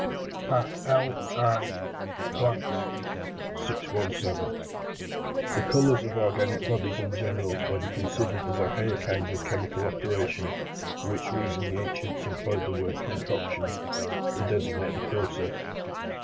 T. LI. PLANTS. 617. The colours of organic bodies in general may be considered as a higher kind of chemical operation, for which reason the ancients employed the word concoction, πέψις, to designate the process.